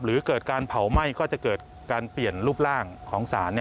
หรือเกิดการเผาไหม้ก็จะเกิดการเปลี่ยนรูปร่างของสาร